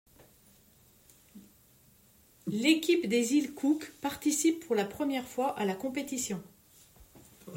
L'équipe des Îles Cook participe pour la première fois à la compétition.